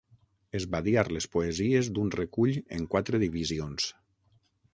Esbadiar les poesies d'un recull en quatre divisions.